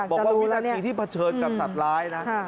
วินาทีที่เผชิญกับสัตว์ร้ายนะ